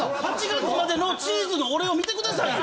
８月までのチーズの俺を見てくださいよ！